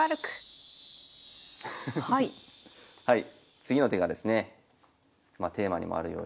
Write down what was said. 次の手がですねまテーマにもあるように。